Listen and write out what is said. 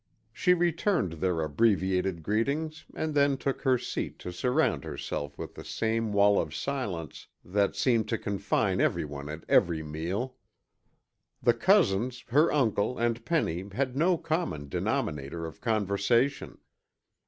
She returned their abbreviated greetings and then took her seat to surround herself with the same wall of silence that seemed to confine everyone at every meal. The cousins, her uncle, and Penny had no common denominator of conversation.